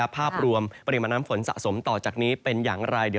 ภาพรวมปริมาณน้ำฝนสะสมต่อจากนี้เป็นอย่างไร